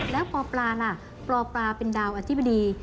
แล้วปปลาล่ะปปลาเป็นดาวอธิบดี